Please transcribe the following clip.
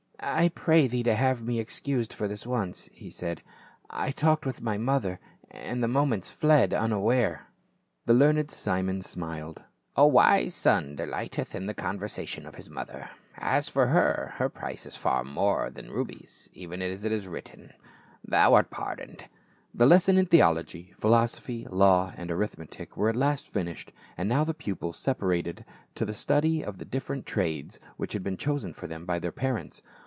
" I pray thee to have me excused for this once," he said ;" I talked with my mother, and the moments fled unaware." A PROMISE AND A VOW. 399 The learned Simon smiled, " A wise son delighteth in the conversation of his mother ; as for her, her pnce IS far above rubies, even as it is written. — Thou art pardoned." The lessons in theology, philosophy, law and arith metic were at last finished ; and now the pupils sepa rated to the study of the different trades which had been chosen for them by their parents.